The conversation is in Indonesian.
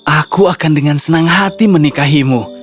aku akan dengan senang hati menikahimu